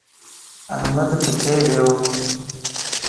احمد ڪٿي ويو.